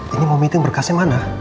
ini mau meeting berkasnya mana